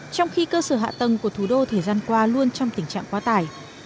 trong khi cơ sở hạ tầng của thủ đô thời gian qua luôn trong tình trạng quá tải